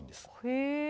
へえ！